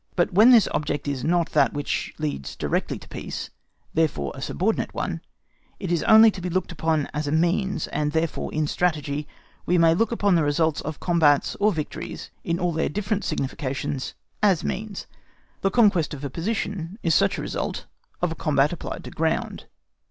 But when this object is not that which leads directly to peace, therefore a subordinate one, it is only to be looked upon as a means; and therefore in strategy we may look upon the results of combats or victories, in all their different significations, as means. The conquest of a position is such a result of a combat applied to ground.